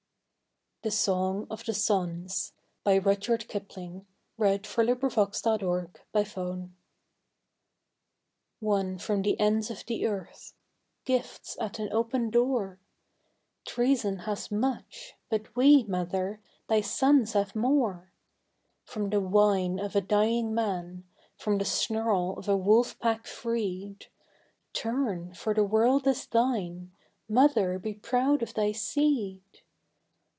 The Song of the Sons. One from the ends of the earth gifts at an open door Treason has much, but we, Mother, thy sons have more! From the whine of a dying man, from the snarl of a wolf pack freed, Turn, for the world is thine. Mother, be proud of thy seed!